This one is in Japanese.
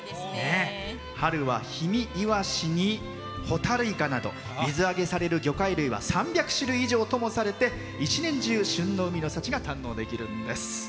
春は氷見イワシにホタルイカなど水揚げされる魚介類は３００種類ともされて一年中旬の海の幸が楽しめるんです。